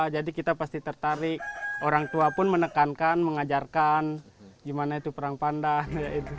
jadi kita pasti tertarik orang tua pun menekankan mengajarkan gimana itu perang pandan